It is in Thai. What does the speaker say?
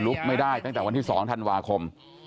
ไม่ได้ตั้งแต่วันที่๒ธันวาคม